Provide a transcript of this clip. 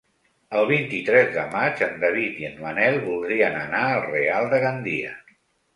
El vint-i-tres de maig en David i en Manel voldrien anar al Real de Gandia.